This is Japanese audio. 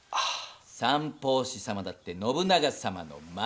三法師様だって信長様の孫！